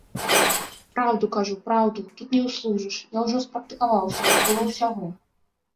Праўду кажу, праўду, тут не ўслужыш, я ўжо спрактыкаваўся, было ўсяго.